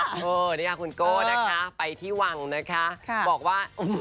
อู๋เนี่ยคุณโก้นะคะไปที่วังนะคะ